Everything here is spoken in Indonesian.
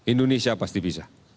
indonesia pasti bisa